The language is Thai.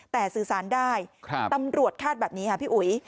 แต่สื่อสารได้ตำรวจคาดแบบนี้ค่ะพี่อุ๋ย